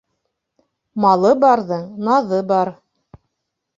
Малы барҙың наҙы бар.